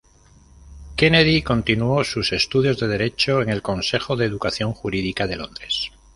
Kennedy continuó sus estudios de derecho en el Consejo de Educación Jurídica de Londres.